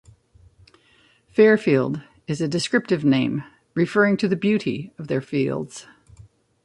Fairfield is a descriptive name referring to the beauty of their fields.